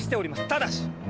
ただし！